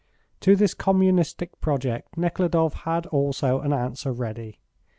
To this communistic project Nekhludoff had also an answer ready.